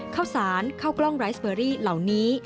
ข้าวสารข้าวกล้องไรสเบอรี่เหล่านี้